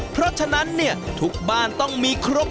เพราะฉะนั้นเนี่ยทุกบ้านต้องมีครบ